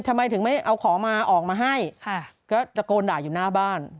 ทำไมถึงไม่เอาของมาออกมาให้ก็ตะโกนด่าอยู่หน้าบ้าน